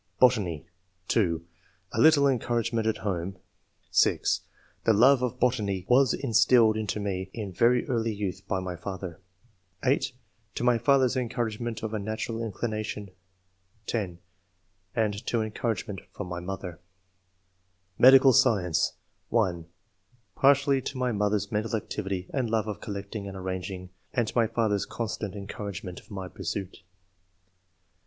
Botany. — (2) A little encouragement at home, ((i) The love of botany was instilled into me in very early youth by my father. (8) To my father's encouragement of a natural inclination. (iO) And to encouragement from my mother. Medical Science. — (1) [Partly] to my mother's mental activity and love of collecting and arranging, and to my father's constant en couragement of my pursuit.